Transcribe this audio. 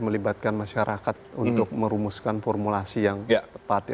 melibatkan masyarakat untuk merumuskan formulasi yang tepat